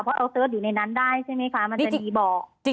เพราะเอาเสิร์ชอยู่ในนั้นได้ใช่ไหมคะมันจะมีเบาะ